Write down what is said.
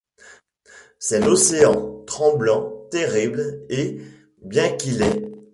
C'est l'océan, tremblant, terrible, et, bien qu'il ait